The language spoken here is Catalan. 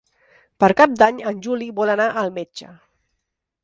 Per Cap d'Any en Juli vol anar al metge.